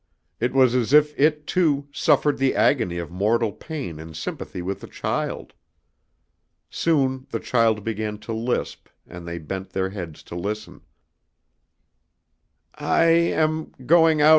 It was as if it, too, suffered the agony of mortal pain in sympathy with the child. Soon the child began to lisp and they bent their heads to listen. "I am ... going ... out